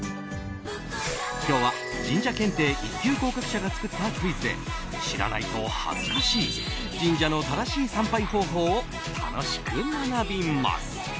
今日は神社検定壱級合格者が作ったクイズで知らないと恥ずかしい神社の正しい参拝方法を楽しく学びます。